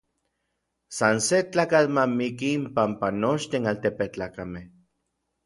San se tlakatl ma miki inpampa nochtin altepetlakamej.